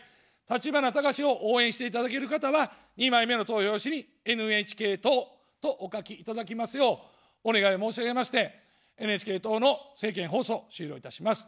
立花孝志を応援していただける方は、２枚目の投票用紙にＮＨＫ党とお書きいただきますようお願いを申し上げまして、ＮＨＫ党の政見放送を終了いたします。